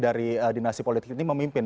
dari dinasti politik ini memimpin